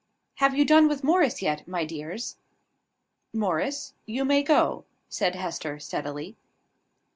"Have you done with Morris yet, my dears?" "Morris, you may go," said Hester, steadily.